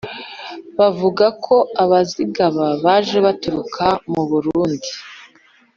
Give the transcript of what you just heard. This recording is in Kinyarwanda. bavuga ko abazigaba baje baturuka mu burundi